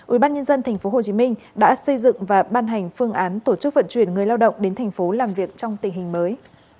ubnd tp hcm đã xây dựng và ban hành phương án tổ chức vận chuyển người lao động đến thành phố làm việc trong tình hình mới